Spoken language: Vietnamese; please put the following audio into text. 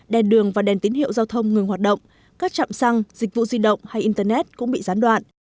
đèn đường và đèn tín hiệu giao thông ngừng hoạt động các trạm xăng dịch vụ di động hay internet cũng bị gián đoạn